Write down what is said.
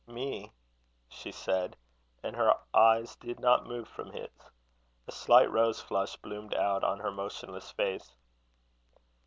"Me?" she said; and her eyes did not move from his. A slight rose flush bloomed out on her motionless face.